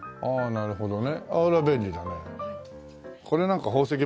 なるほどね。